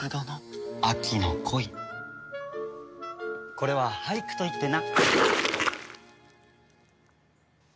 これは俳句といってな。